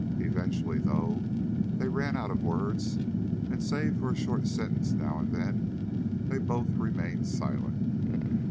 Eventually, though, they ran out of words, and save for a short sentence now and then they both remained silent.